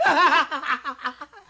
アハハハハ。